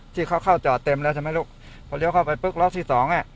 ที่เขาเข้าจอดเต็มแล้วใช่ไหมลูกพอเลี้ยวเข้าไปปุ๊บล็อตที่สองอ่ะ